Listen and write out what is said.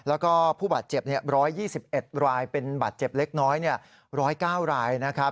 แล้วก็ผู้บาดเจ็บ๑๒๑รายเป็นบาดเจ็บเล็กน้อย๑๐๙รายนะครับ